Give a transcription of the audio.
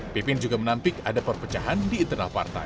pipin juga menampik ada perpecahan di internal partai